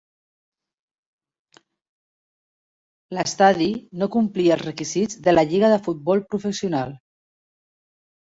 L'estadi no complia els requisits de la Lliga de Futbol Professional.